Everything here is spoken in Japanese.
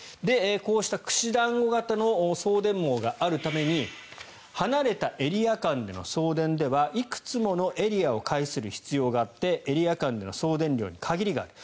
こうした串団子型の送電網があるために離れたエリア間での送電ではいくつものエリアを介する必要があってエリア間での送電量に限りがある。